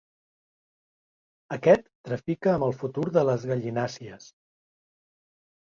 Aquest trafica amb el futur de les gallinàcies.